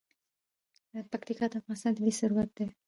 پکتیکا د افغانستان طبعي ثروت دی.